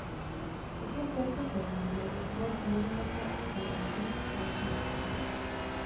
Také v této firmě měl Oswald uložené své akcie a nakonec společnost řídil.